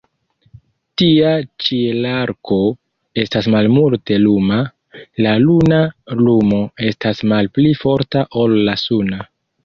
Tia ĉielarko estas malmulte luma, la luna lumo estas malpli forta ol la suna.